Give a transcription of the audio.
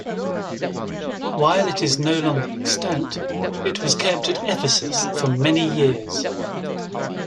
While it is no longer extant, it was kept at Ephesus for many years.